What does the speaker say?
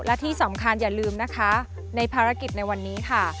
และที่สำคัญอย่าลืมนะคะในภารกิจในวันนี้ค่ะ